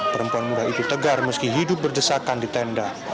perempuan muda itu tegar meski hidup berdesakan di tenda